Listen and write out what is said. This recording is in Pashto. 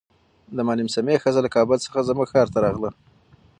د معلم سمیع ښځه له کابل څخه زموږ ښار ته راغله.